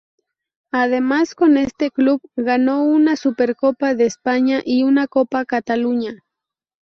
Además con este club ganó una Supercopa de España y una Copa Cataluña.